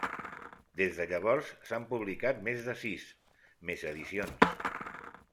Des de llavors s'han publicat més de sis més edicions.